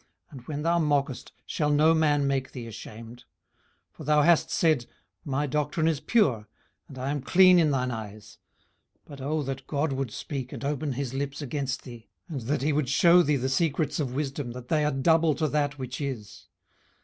and when thou mockest, shall no man make thee ashamed? 18:011:004 For thou hast said, My doctrine is pure, and I am clean in thine eyes. 18:011:005 But oh that God would speak, and open his lips against thee; 18:011:006 And that he would shew thee the secrets of wisdom, that they are double to that which is!